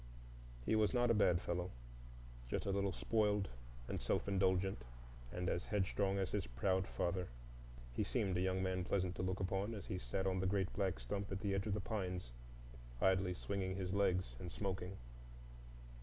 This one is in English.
He was not a bad fellow,—just a little spoiled and self indulgent, and as headstrong as his proud father. He seemed a young man pleasant to look upon, as he sat on the great black stump at the edge of the pines idly swinging his legs and smoking.